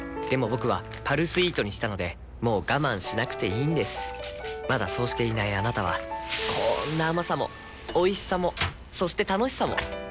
僕は「パルスイート」にしたのでもう我慢しなくていいんですまだそうしていないあなたはこんな甘さもおいしさもそして楽しさもあちっ。